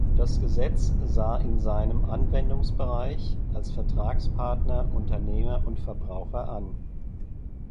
Das Gesetz sah in seinem Anwendungsbereich als Vertragspartner Unternehmer und Verbraucher an.